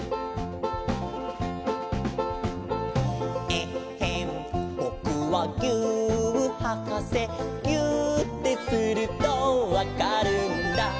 「えっへんぼくはぎゅーっはかせ」「ぎゅーってするとわかるんだ」